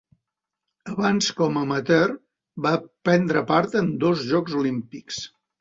Abans, com a amateur, va prendre part en dos Jocs Olímpics.